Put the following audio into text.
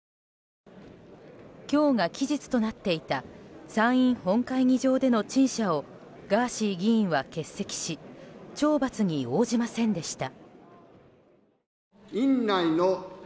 今日が期日となっていた参院本会議場での陳謝をガーシー議員は欠席し懲罰に応じませんでした。